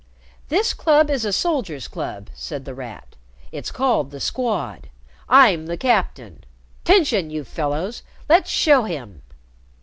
"This club is a soldiers' club," said The Rat. "It's called the Squad. I'm the captain. 'Tention, you fellows! Let's show him."